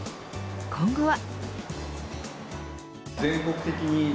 今後は。